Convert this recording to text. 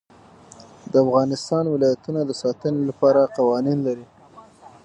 افغانستان د د افغانستان ولايتونه د ساتنې لپاره قوانین لري.